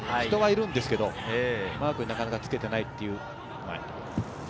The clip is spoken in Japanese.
人はいるんですけど、マーク、なかなかつけていないという。